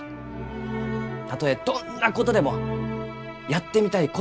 たとえどんなことでもやってみたいことはやるべきです！